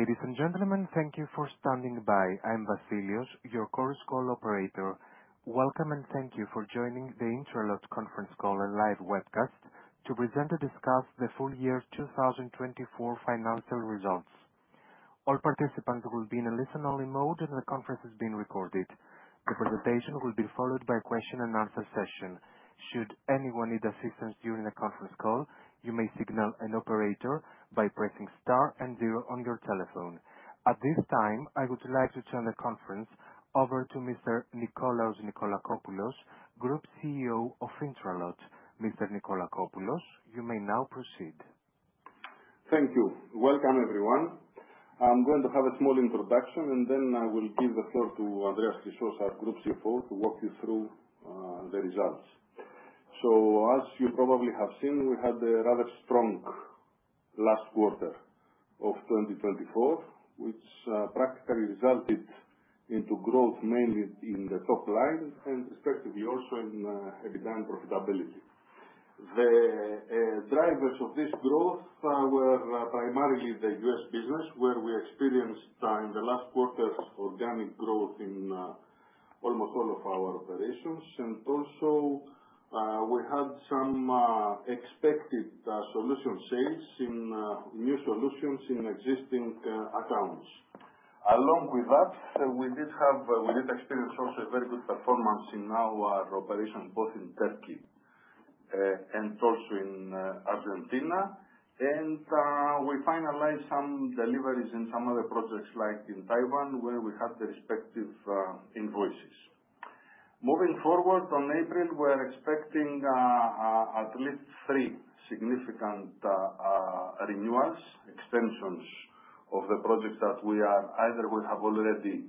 Ladies and gentlemen, thank you for standing by. I'm Basilios, your Chorus Call operator. Welcome and thank you for joining the Intralot S.A. Conference Call and Live Webcast to present and discuss the full year 2024 financial results. All participants will be in a listen-only mode, and the conference is being recorded. The presentation will be followed by a question-and-answer session. Should anyone need assistance during the conference call, you may signal an operator by pressing star and zero on your telephone. At this time, I would like to turn the conference over to Mr. Nikolaos Nikolakopoulos, Group CEO of Intralot. Mr. Nikolakopoulos, you may now proceed. Thank you. Welcome, everyone. I'm going to have a small introduction, and then I will give the floor to Andreas Chrysos, our Group CFO, to walk you through the results. As you probably have seen, we had a rather strong last quarter of 2024, which practically resulted in growth mainly in the top line and, respectively, also in EBITDA and profitability. The drivers of this growth were primarily the U.S. business, where we experienced in the last quarter organic growth in almost all of our operations. We also had some expected solution sales in new solutions in existing accounts. Along with that, we did experience also a very good performance in our operation, both in Turkey and also in Argentina. We finalized some deliveries in some other projects, like in Taiwan, where we had the respective invoices. Moving forward, on April, we are expecting at least three significant renewals, extensions of the projects that we either have already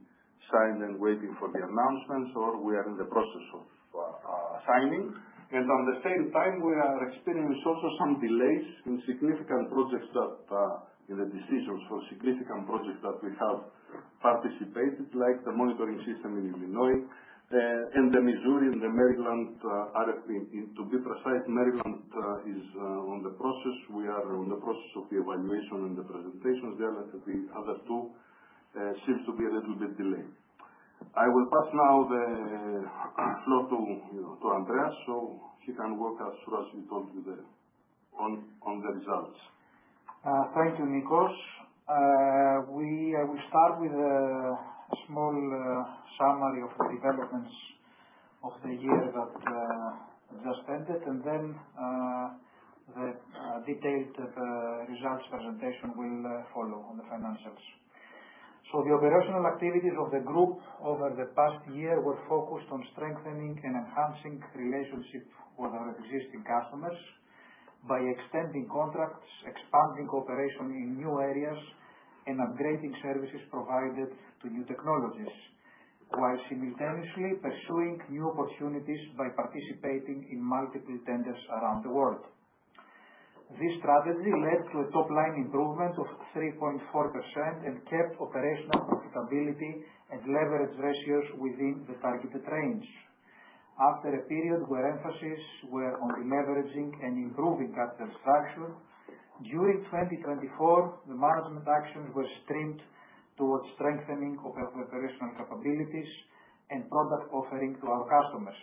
signed and are waiting for the announcements, or we are in the process of signing. At the same time, we are experiencing also some delays in significant projects that in the decisions for significant projects that we have participated, like the monitoring system in Illinois and the Missouri and the Maryland RFP. To be precise, Maryland is in the process. We are in the process of the evaluation and the presentations. The other two seem to be a little bit delayed. I will pass now the floor to Andreas so he can work as he told you on the results. Thank you, Nikos. We will start with a small summary of the developments of the year that just ended, and then the detailed results presentation will follow on the financials. The operational activities of the Group over the past year were focused on strengthening and enhancing relationships with our existing customers by extending contracts, expanding operations in new areas, and upgrading services provided to new technologies, while simultaneously pursuing new opportunities by participating in multiple tenders around the world. This strategy led to a top-line improvement of 3.4% and kept operational profitability and leverage ratios within the targeted range. After a period where emphasis was on leveraging and improving capital structure, during 2024, the management actions were streamed towards strengthening of operational capabilities and product offering to our customers.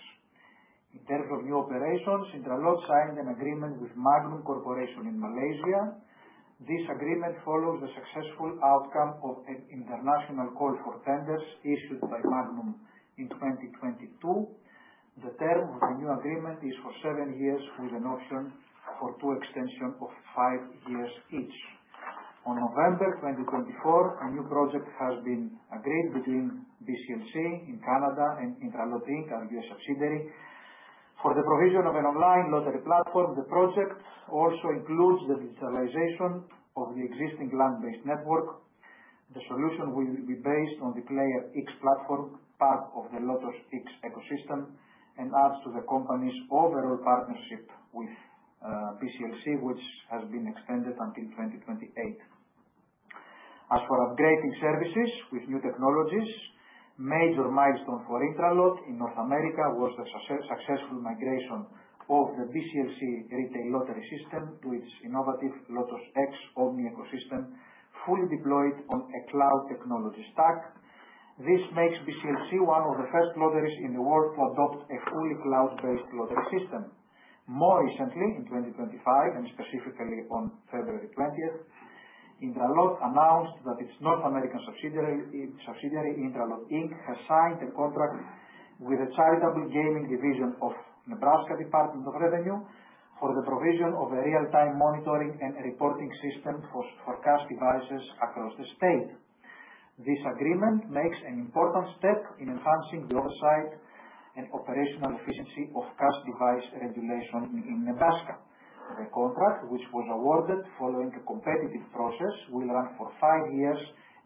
In terms of new operations, Intralot signed an agreement with Magnum Corporation in Malaysia. This agreement follows the successful outcome of an international call for tenders issued by Magnum in 2022. The term of the new agreement is for seven years, with an option for two extensions of five years each. On November 2024, a new project has been agreed between BCLC in Canada and Intralot Inc., our U.S. subsidiary, for the provision of an online lottery platform. The project also includes the digitalization of the existing land-based network. The solution will be based on the PlayerX platform, part of the LotosX ecosystem, and adds to the company's overall partnership with BCLC, which has been extended until 2028. As for upgrading services with new technologies, a major milestone for Intralot in North America was the successful migration of the BCLC retail lottery system to its innovative LotosX Omni ecosystem, fully deployed on a cloud technology stack. This makes BCLC one of the first lotteries in the world to adopt a fully cloud-based lottery system. More recently, in 2025, and specifically on February 20, Intralot announced that its North American subsidiary, Intralot Inc., has signed a contract with the Charitable Gaming Division of Nebraska Department of Revenue for the provision of a real-time monitoring and reporting system for cash devices across the state. This agreement makes an important step in enhancing the oversight and operational efficiency of cash device regulation in Nebraska. The contract, which was awarded following a competitive process, will run for five years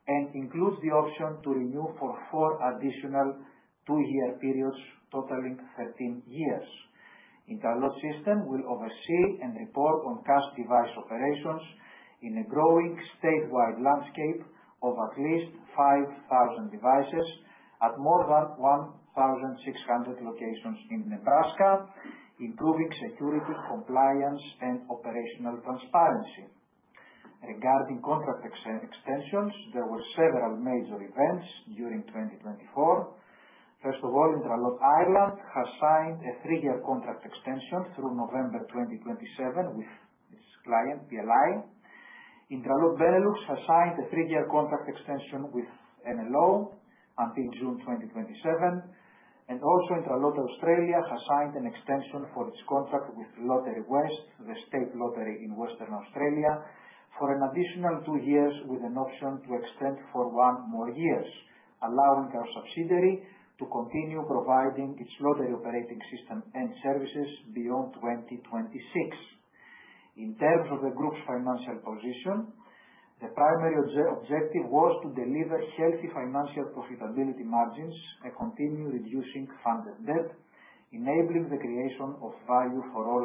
and includes the option to renew for four additional two-year periods totaling 13 years. Intralot System will oversee and report on cash device operations in a growing statewide landscape of at least 5,000 devices at more than 1,600 locations in Nebraska, improving security, compliance, and operational transparency. Regarding contract extensions, there were several major events during 2024. First of all, Intralot Ireland has signed a three-year contract extension through November 2027 with its client, PLI. Intralot Benelux has signed a three-year contract extension with NLO until June 2027. Intralot Australia has signed an extension for its contract with Lotterywest, the state lottery in Western Australia, for an additional two years with an option to extend for one more year, allowing our subsidiary to continue providing its lottery operating system and services beyond 2026. In terms of the Group's financial position, the primary objective was to deliver healthy financial profitability margins and continue reducing funded debt, enabling the creation of value for all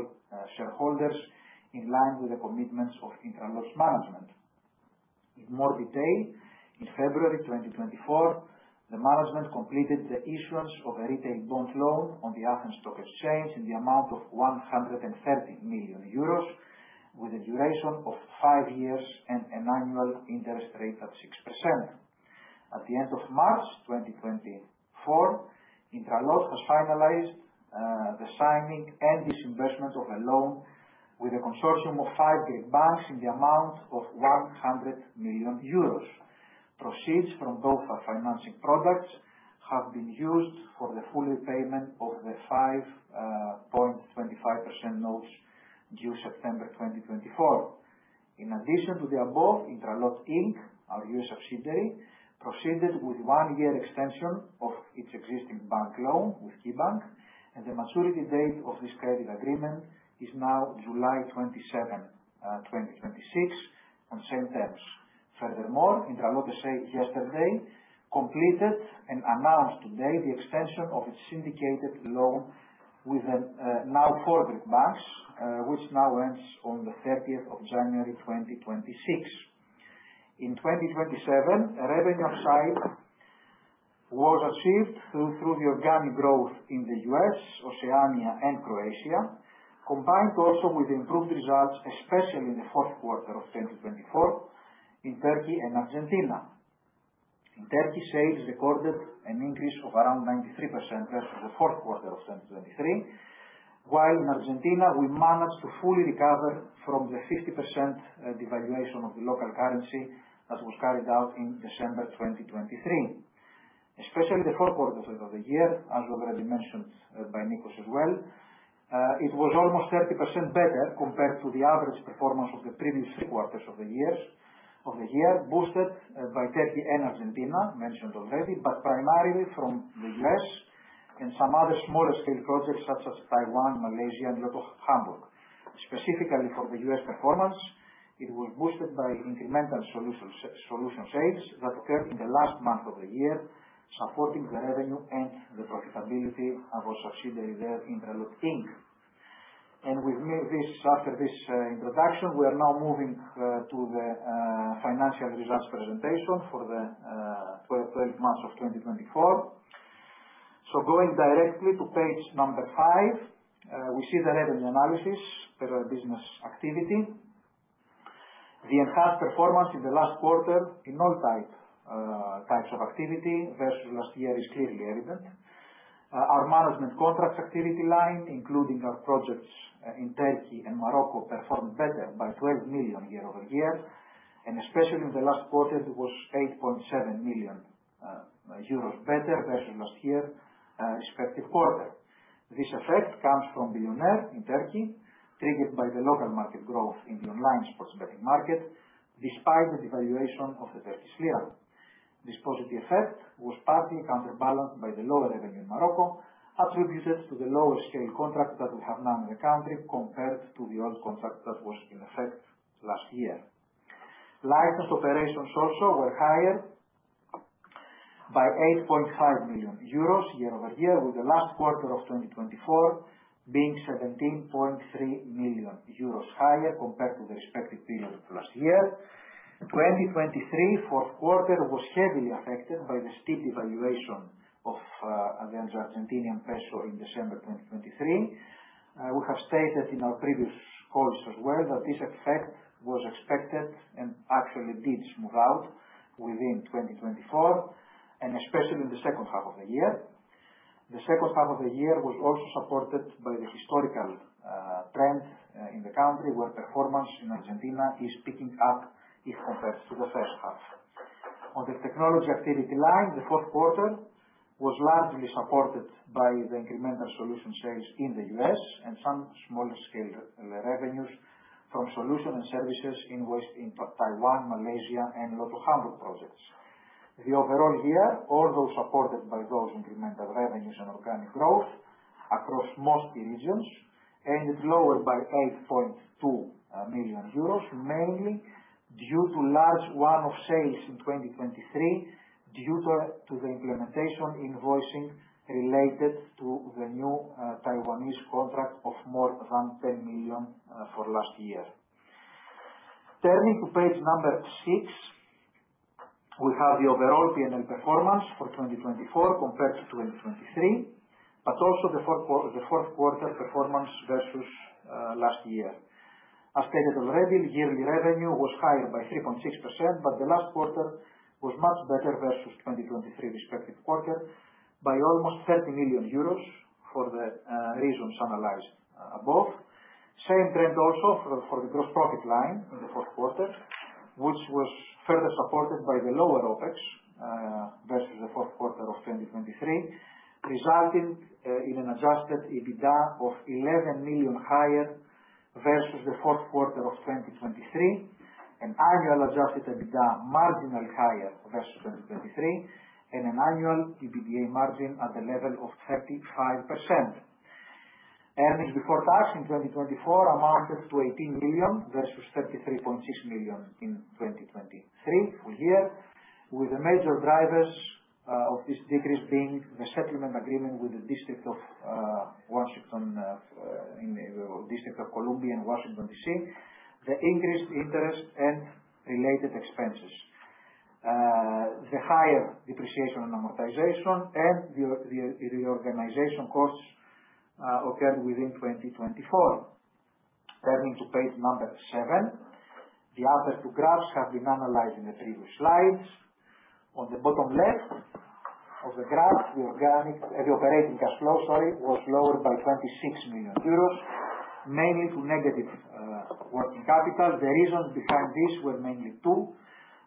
shareholders in line with the commitments of Intralot's management. In more detail, in February 2024, the management completed the issuance of a retail bond loan on the Athens Stock Exchange in the amount of 130 million euros, with a duration of five years and an annual interest rate of 6%. At the end of March 2024, Intralot S.A. has finalized the signing and disinvestment of a loan with a consortium of five big banks in the amount of 100 million euros. Proceeds from both financing products have been used for the full repayment of the EUR 5.25% notes due September 2024. In addition to the above, Intralot Inc., our U.S. subsidiary, proceeded with one-year extension of its existing bank loan with KeyBank, and the maturity date of this credit agreement is now July 27, 2026, on same terms. Furthermore, Intralot S.A. Yesterday completed and announced today the extension of its syndicated loan with now four big banks, which now ends on the 30th of January 2026. In 2027, revenue upside was achieved through the organic growth in the U.S., Oceania, and Croatia, combined also with improved results, especially in the fourth quarter of 2024, in Turkey and Argentina. In Turkey, sales recorded an increase of around 93% versus the fourth quarter of 2023, while in Argentina, we managed to fully recover from the 50% devaluation of the local currency that was carried out in December 2023. Especially the four quarters of the year, as already mentioned by Nikos as well, it was almost 30% better compared to the average performance of the previous three quarters of the year, boosted by Turkey and Argentina mentioned already, but primarily from the U.S. and some other smaller-scale projects such as Taiwan, Malaysia, and Lotto Hamburg. Specifically for the U.S. performance, it was boosted by incremental solution sales that occurred in the last month of the year, supporting the revenue and the profitability of our subsidiary there, Intralot Inc. With this, after this introduction, we are now moving to the financial results presentation for the 12 months of 2024. Going directly to page number five, we see the revenue analysis per business activity. The enhanced performance in the last quarter in all types of activity versus last year is clearly evident. Our management contracts activity line, including our projects in Turkey and Morocco, performed better by 12 million year-over-year, and especially in the last quarter, it was 8.7 million euros better versus last year, respective quarter. This effect comes from Bilyoner in Turkey, triggered by the local market growth in the online sports betting market, despite the devaluation of the Turkish lira. This positive effect was partly counterbalanced by the lower revenue in Morocco, attributed to the lower-scale contract that we have now in the country compared to the old contract that was in effect last year. Licensed operations also were higher by 8.5 million euros year-over-year, with the last quarter of 2024 being 17.3 million euros higher compared to the respective period of last year. 2023, fourth quarter, was heavily affected by the steep devaluation of the Argentinian peso in December 2023. We have stated in our previous calls as well that this effect was expected and actually did smooth out within 2024, and especially in the second half of the year. The second half of the year was also supported by the historical trend in the country, where performance in Argentina is picking up if compared to the first half. On the technology activity line, the fourth quarter was largely supported by the incremental solution sales in the U.S. and some smaller-scale revenues from solution and services invoiced in Taiwan, Malaysia, and Lotto Hamburg projects. The overall year, although supported by those incremental revenues and organic growth across most regions, ended lower by 8.2 million euros, mainly due to a large one-off sales in 2023 due to the implementation invoicing related to the new Taiwanese contract of more than 10 million for last year. Turning to page number six, we have the overall P&L performance for 2024 compared to 2023, but also the fourth quarter performance versus last year. As stated already, the yearly revenue was higher by 3.6%, but the last quarter was much better versus 2023, respective quarter, by almost 30 million euros for the reasons analyzed above. Same trend also for the gross profit line in the fourth quarter, which was further supported by the lower OPEX versus the fourth quarter of 2023, resulting in an adjusted EBITDA of 11 million higher versus the fourth quarter of 2023, an annual adjusted EBITDA marginally higher versus 2023, and an annual EBITDA margin at the level of 35%. Earnings before tax in 2024 amounted to 18 million versus 33.6 million in 2023, full year, with the major drivers of this decrease being the settlement agreement with the District of Washington, District of Columbia, and Washington, D.C., the increased interest and related expenses, the higher depreciation and amortization, and the reorganization costs occurred within 2024. Turning to page number seven, the other two graphs have been analyzed in the previous slides. On the bottom left of the graph, the operating cash flow was lowered by 26 million euros, mainly to negative working capital. The reasons behind this were mainly two.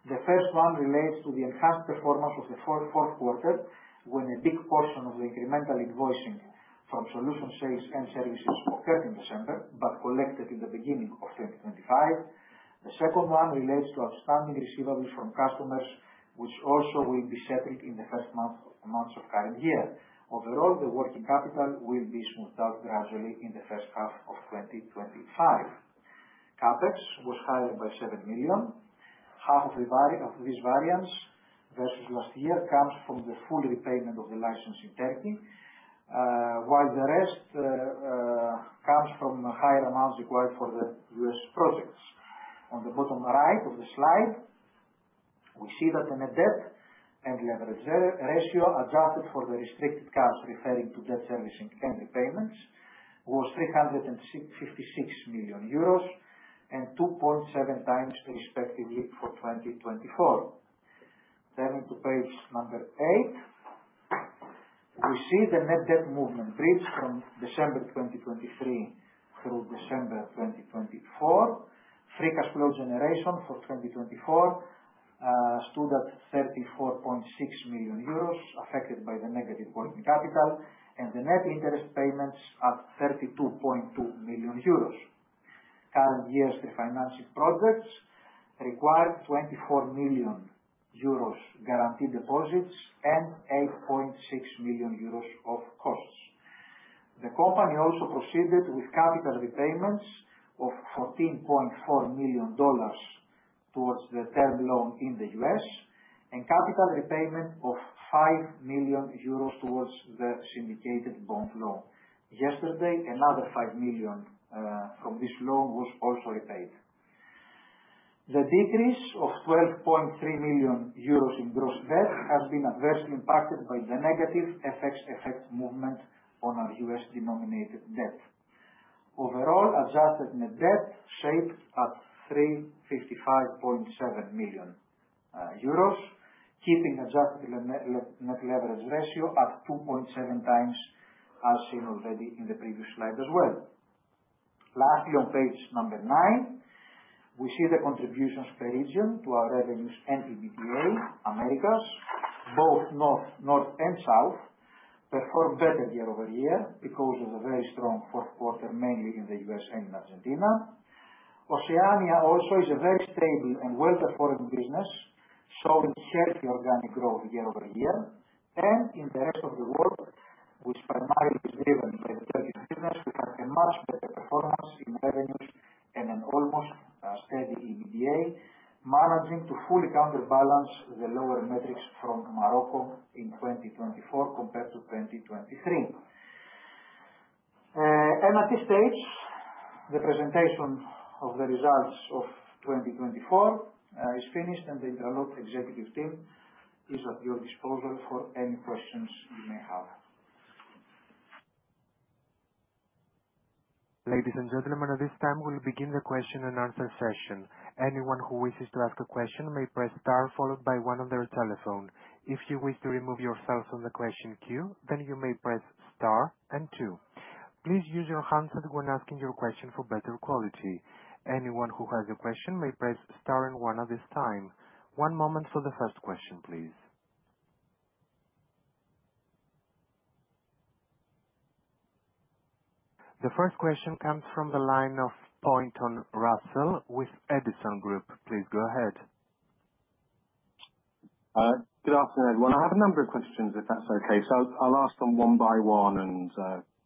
The first one relates to the enhanced performance of the fourth quarter, when a big portion of the incremental invoicing from solution sales and services occurred in December but collected in the beginning of 2025. The second one relates to outstanding receivables from customers, which also will be settled in the first months of current year. Overall, the working capital will be smoothed out gradually in the first half of 2025. CapEx was higher by 7 million. Half of this variance versus last year comes from the full repayment of the license in Turkey, while the rest comes from higher amounts required for the U.S. projects. On the bottom right of the slide, we see that the net debt and leverage ratio adjusted for the restricted cash, referring to debt servicing and repayments, was 356 million euros and 2.7 times, respectively, for 2024. Turning to page number eight, we see the net debt movement bridge from December 2023 through December 2024. Free cash flow generation for 2024 stood at 34.6 million euros affected by the negative working capital, and the net interest payments at 32.2 million euros. Current year's refinancing projects required 24 million euros guaranteed deposits and 8.6 million euros of costs. The company also proceeded with capital repayments of $14.4 million towards the term loan in the U.S. and capital repayment of 5 million euros towards the syndicated bond loan. Yesterday, another 5 million from this loan was also repaid. The decrease of 12.3 million euros in gross debt has been adversely impacted by the negative FX effect movement on our U.S.-denominated debt. Overall, adjusted net debt shaped at 355.7 million euros, keeping adjusted net leverage ratio at 2.7 times, as seen already in the previous slide as well. Lastly, on page number nine, we see the contributions per region to our revenues and EBITDA. Americas, both north and south, performed better year-over-year because of the very strong fourth quarter, mainly in the U.S. and in Argentina. Oceania also is a very stable and well-performing business, showing healthy organic growth year-over-year. In the rest of the world, which is primarily driven by the Turkish business, we had a much better performance in revenues and an almost steady EBITDA, managing to fully counterbalance the lower metrics from Morocco in 2024 compared to 2023. At this stage, the presentation of the results of 2024 is finished, and the Intralot executive team is at your disposal for any questions you may have. Ladies and gentlemen, at this time, we'll begin the question-and-answer session. Anyone who wishes to ask a question may press star followed by one on their telephone. If you wish to remove yourself from the question queue, then you may press star and two. Please use your hands when asking your question for better quality. Anyone who has a question may press star and one at this time. One moment for the first question, please. The first question comes from the line of Pointon Russell with Edison Group. Please go ahead. Good afternoon. I have a number of questions, if that's okay. I will ask them one by one and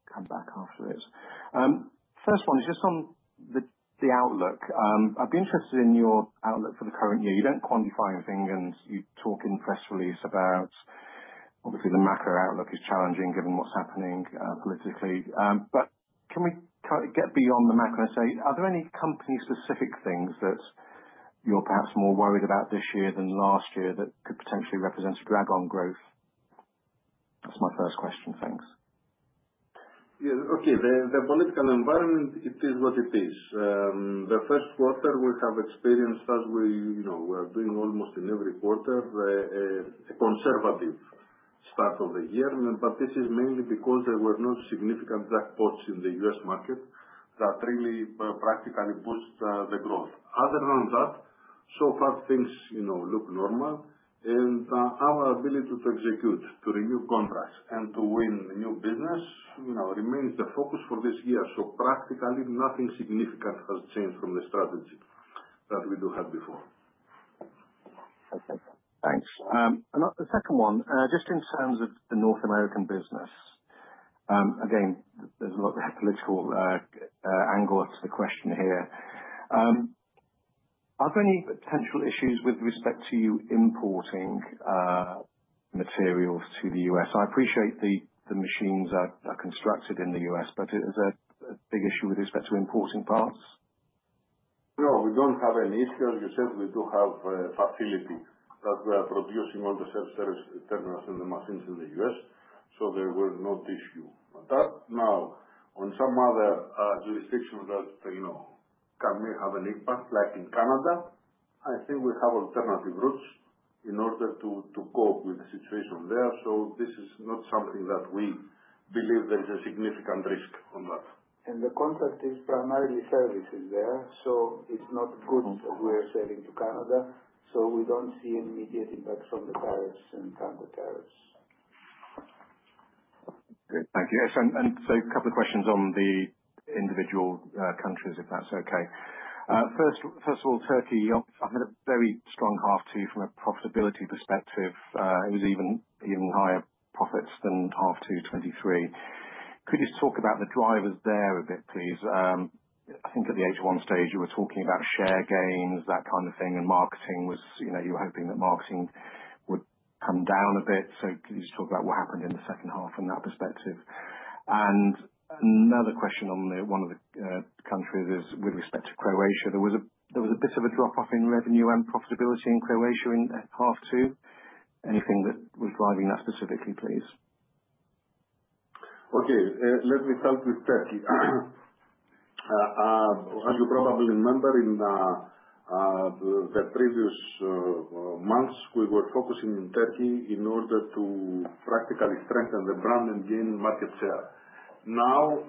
come back after it. First one is just on the outlook. I would be interested in your outlook for the current year. You do not quantify anything, and you talk in press release about, obviously, the macro outlook is challenging given what is happening politically. Can we get beyond the macro and say, are there any company-specific things that you are perhaps more worried about this year than last year that could potentially represent a drag on growth? That is my first question. Thanks. Yeah. Okay. The political environment, it is what it is. The first quarter, we have experienced, as we are doing almost in every quarter, a conservative start of the year. This is mainly because there were no significant jackpots in the U.S. market that really practically boost the growth. Other than that, so far, things look normal. Our ability to execute, to renew contracts, and to win new business remains the focus for this year. Practically, nothing significant has changed from the strategy that we do have before. Thanks. The second one, just in terms of the North American business, again, there's a lot of political angle to the question here. Are there any potential issues with respect to you importing materials to the U.S.? I appreciate the machines are constructed in the U.S., but is there a big issue with respect to importing parts? No, we don't have any issues. As you said, we do have facilities that we are producing on the self-service terminals and the machines in the U.S. There were no issues. Now, on some other jurisdictions that may have an impact, like in Canada, I think we have alternative routes in order to cope with the situation there. This is not something that we believe there is a significant risk on. The contract is primarily services there, so it's not goods that we are selling to Canada. We do not see an immediate impact from the tariffs and countertariffs. Thank you. A couple of questions on the individual countries, if that's okay. First of all, Turkey, I've had a very strong half two from a profitability perspective. It was even higher profits than half two 2023. Could you just talk about the drivers there a bit, please? I think at the H1 stage, you were talking about share gains, that kind of thing, and marketing was you were hoping that marketing would come down a bit. Could you just talk about what happened in the second half from that perspective? Another question on one of the countries is with respect to Croatia. There was a bit of a drop-off in revenue and profitability in Croatia in half two. Anything that was driving that specifically, please? Okay. Let me start with Turkey. As you probably remember, in the previous months, we were focusing in Turkey in order to practically strengthen the brand and gain market share. Now,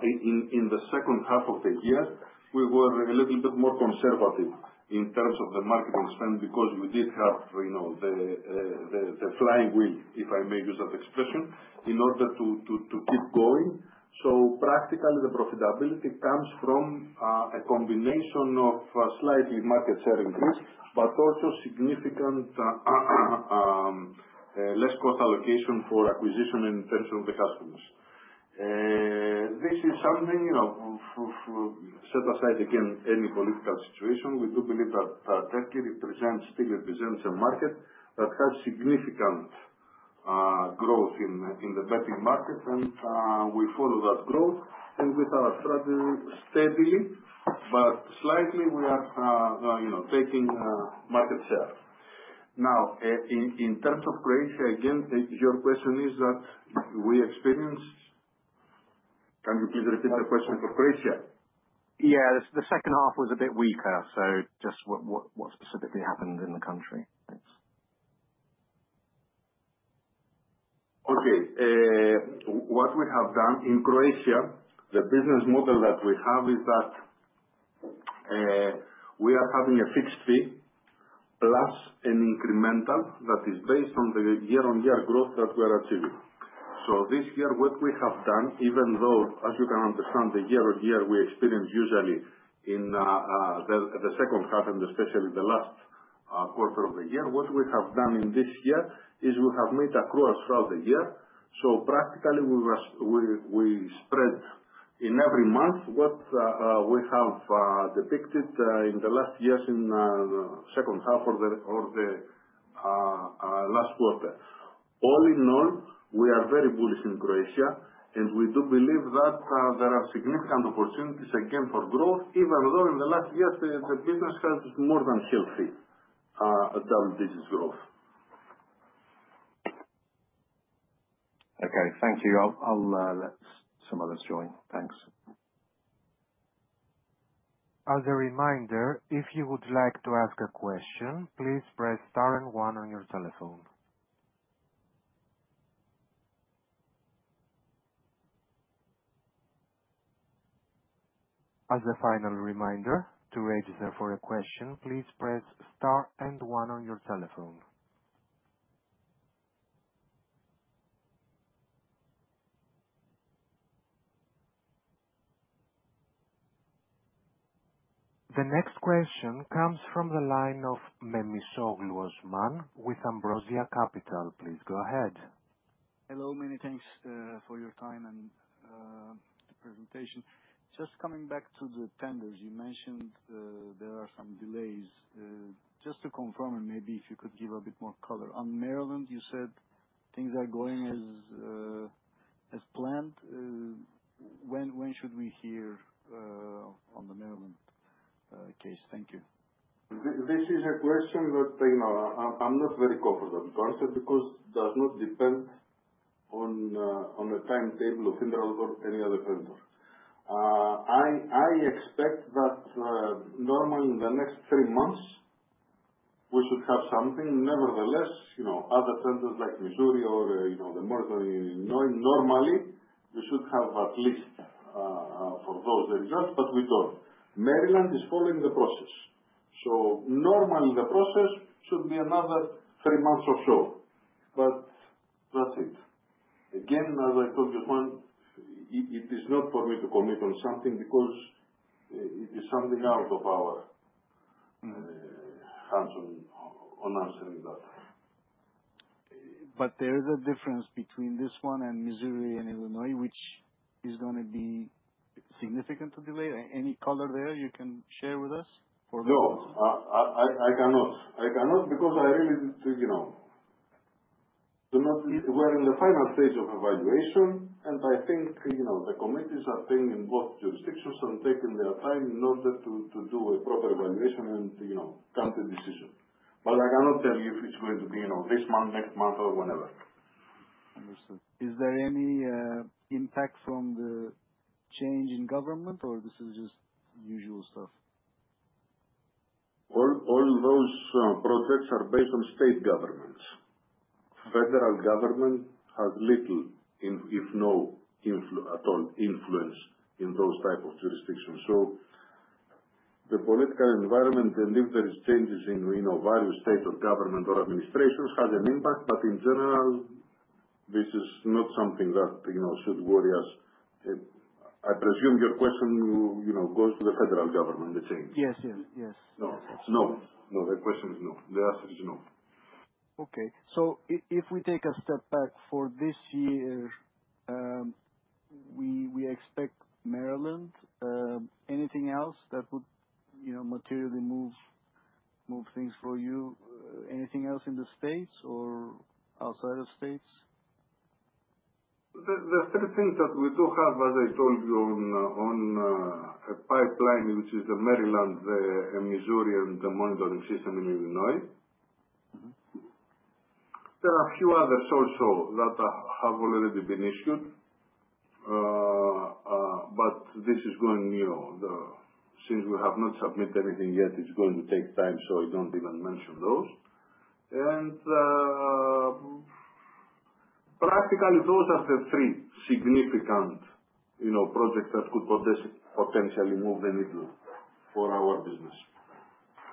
in the second half of the year, we were a little bit more conservative in terms of the marketing spend because we did have the flying wheel, if I may use that expression, in order to keep going. Practically, the profitability comes from a combination of slightly market share increase, but also significant less cost allocation for acquisition and retention of the customers. This is something, set aside again any political situation, we do believe that Turkey still represents a market that has significant growth in the betting market, and we follow that growth. With our strategy, steadily but slightly, we are taking market share. Now, in terms of Croatia, again, your question is that we experienced—can you please repeat the question for Croatia? Yeah. The second half was a bit weaker. Just what specifically happened in the country? Thanks. Okay. What we have done in Croatia, the business model that we have is that we are having a fixed fee plus an incremental that is based on the year-on-year growth that we are achieving. This year, what we have done, even though, as you can understand, the year-on-year we experience usually in the second half, and especially the last quarter of the year, what we have done in this year is we have made accruals throughout the year. Practically, we spread in every month what we have depicted in the last years in the second half or the last quarter. All in all, we are very bullish in Croatia, and we do believe that there are significant opportunities again for growth, even though in the last years, the business has more than healthy double-digit growth. Okay. Thank you. Some others join. Thanks. As a reminder, if you would like to ask a question, please press star and one on your telephone. As a final reminder, to register for a question, please press star and one on your telephone. The next question comes from the line of Osman Memisoglu with AMBROSIA CAPITAL. Please go ahead. Hello. Many thanks for your time and the presentation. Just coming back to the tenders, you mentioned there are some delays. Just to confirm, and maybe if you could give a bit more color. On Maryland, you said things are going as planned. When should we hear on the Maryland case? Thank you. This is a question that I'm not very comfortable to answer because it does not depend on a timetable of Intralot or any other vendor. I expect that normally in the next three months, we should have something. Nevertheless, other tenders like Missouri or the monitoring in Illinois, normally, we should have at least for those results, but we don't. Maryland is following the process. Normally, the process should be another three months or so. That's it. Again, as I told you, it is not for me to commit on something because it is something out of our hands on answering that. There is a difference between this one and Missouri and Illinois, which is going to be significant to delay. Any color there you can share with us for the record? No. I cannot. I cannot because I really do not—we're in the final stage of evaluation, and I think the committees are staying in both jurisdictions and taking their time in order to do a proper evaluation and come to a decision. I cannot tell you if it's going to be this month, next month, or whenever. Understood. Is there any impact from the change in government, or this is just usual stuff? All those projects are based on state governments. Federal government has little, if no at all, influence in those types of jurisdictions. The political environment, and if there are changes in various states of government or administrations, has an impact. In general, this is not something that should worry us. I presume your question goes to the federal government, the change. Yes. Yes. Yes. No. No. No. The question is no. The answer is no. Okay. If we take a step back, for this year, we expect Maryland. Anything else that would materially move things for you? Anything else in the states or outside of states? The third thing that we do have, as I told you, on a pipeline, which is the Maryland, the Missouri, and the monitoring system in Illinois. There are a few others also that have already been issued, but this is going new. Since we have not submitted anything yet, it's going to take time, so I don't even mention those. Practically, those are the three significant projects that could potentially move the needle for our business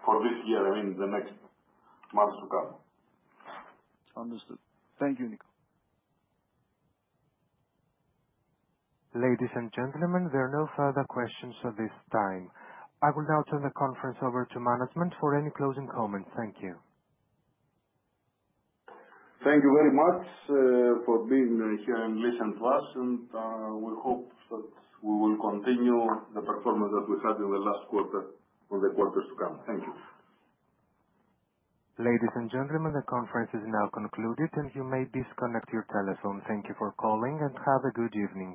for this year, I mean, the next months to come. Understood. Thank you, Nico. Ladies and gentlemen, there are no further questions at this time. I will now turn the conference over to management for any closing comments. Thank you. Thank you very much for being here and listening to us. We hope that we will continue the performance that we had in the last quarter or the quarters to come. Thank you. Ladies and gentlemen, the conference is now concluded, and you may disconnect your telephone. Thank you for calling, and have a good evening.